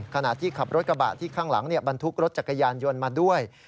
ขณะที่ขับรถกระบะที่ข้างหลังบรรทุกรถจักรยานยนต์มาด้วย